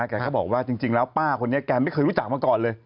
แกก็บอกว่าจริงแล้วป้าคนนี้แกไม่เคยรู้จักมาก่อนเลย